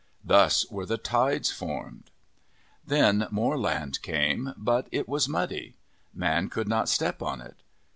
Thus were the tides formed. Then more land came, but it was muddy. Man could not step on it.